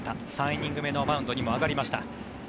３イニング目のマウンドにも上がりました。